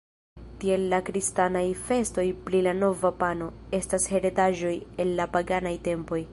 Tiel la kristanaj festoj pri la nova pano, estas heredaĵoj el la paganaj tempoj.